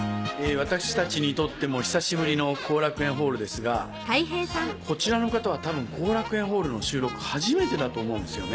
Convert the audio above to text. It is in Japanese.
私たちにとっても久しぶりの後楽園ホールですがこちらの方は多分後楽園ホールの収録初めてだと思うんですよね。